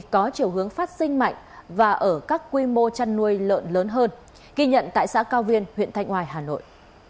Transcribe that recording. có chiều hướng phát sinh mạnh và ở các quy mô chăn nuôi lợn lớn hơn ghi nhận tại xã cao viên huyện thanh ngoài hà nội